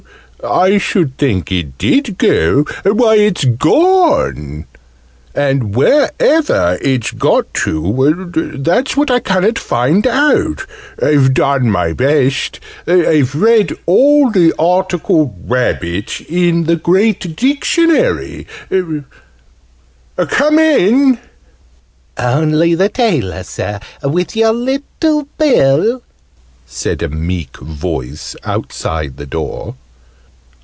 I should think it did go! Why, it's gone? And where ever it's gone to that's what I ca'n't find out! I've done my best I've read all the article 'Rabbit' in the great dictionary Come in!" "Only the tailor, Sir, with your little bill," said a meek voice outside the door.